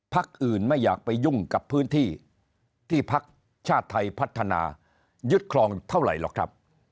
อื่นไม่อยากไปยุ่งกับพื้นที่ที่พักชาติไทยพัฒนายึดคลองเท่าไหร่หรอกครับ